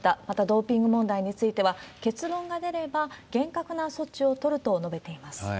また、ドーピング問題については、結論が出れば厳格な措置を取ると述べています。